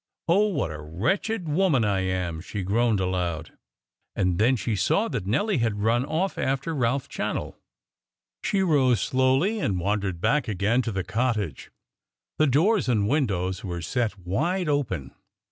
"Oh, what a wretched woman I am!" she groaned, aloud. And then she saw that Nelly had run off after Ralph Channell. She rose slowly, and wandered back again to the cottage. The doors and windows were set wide open.